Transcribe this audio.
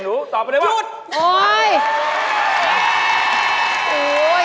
หยุด